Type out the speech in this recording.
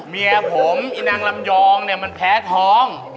เมียผมนางลำยองมันแพ้ท้อง